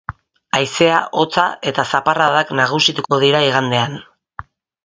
Haizea, hotza eta zaparradak nagusituko dira igandean.